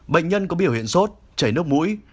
bệnh nhân có biểu hiện sốt chảy nước mũi